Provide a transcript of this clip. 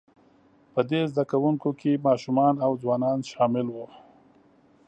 په دې زده کوونکو کې ماشومان او ځوانان شامل وو،